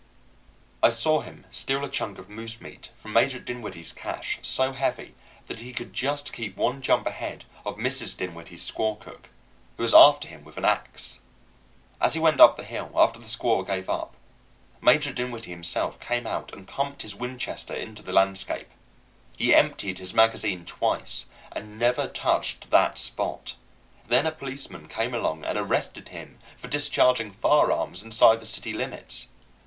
I saw him steal a chunk of moose meat from Major Dinwiddie's cache so heavy that he could just keep one jump ahead of Mrs. Dinwiddie's squaw cook, who was after him with an ax. As he went up the hill, after the squaw gave out, Major Dinwiddie himself came out and pumped his Winchester into the landscape. He emptied his magazine twice, and never touched that Spot. Then a policeman came along and arrested him for discharging firearms inside the city limits.